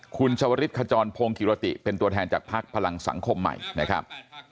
คุณชวริสขจรพงศ์กิรติเป็นตัวแทนจากภักดิ์พลังสังคมใหม่นะครับ